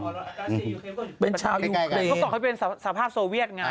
หนึ่งเป็นชาวยูเครนเขาบอกเราก็เป็นสภาพโซเวียตไงเอ่อ